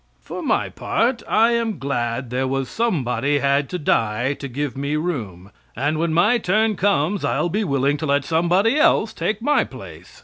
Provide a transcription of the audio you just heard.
For my part I am glad there was Somebody had to die to give me room, and when my turn comes I'll be willing to let somebody else take my place.